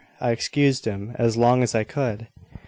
I excused him as long as I could."